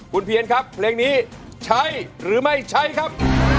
คุณเพียนครับเพลงนี้ใช้หรือไม่ใช้ครับ